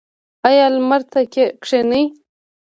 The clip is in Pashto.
ایا لمر ته کینئ؟